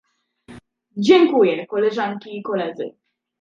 Dziękuję, koleżanki i koledzy